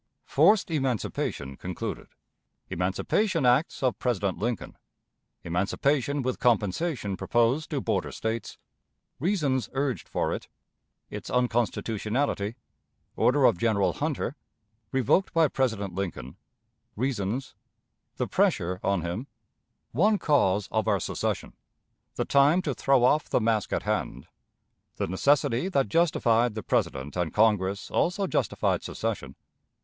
Forced Emancipation concluded. Emancipation Acts of President Lincoln. Emancipation with Compensation proposed to Border States. Reasons urged for it. Its Unconstitutionality. Order of General Hunter. Revoked by President Lincoln. Reasons. "The Pressure" on him. One Cause of our Secession. The Time to throw off the Mask at Hand. The Necessity that justified the President and Congress also justified Secession.